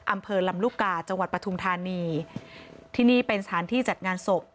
อำเภอลำลูกกาจังหวัดปทุมธานีที่นี่เป็นสถานที่จัดงานศพ